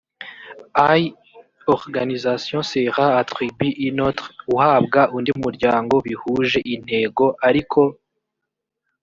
l organisation sera attribu une autre uhabwa undi muryango bihuje intego ariko